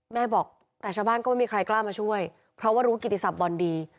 แม่บอกแต่ชาวบ้านก็ไม่มีใครกล้ามาช่วยเพราะว่ารู้กิติศัพทบอลดี